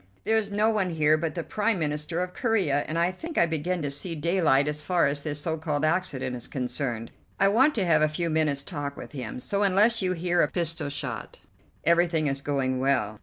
There is no one here but the Prime Minister of Corea, and I think I begin to see daylight so far as this so called accident is concerned. I want to have a few minutes' talk with him, so, unless you hear a pistol shot, everything is going well."